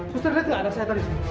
suster lihat gak anak saya tadi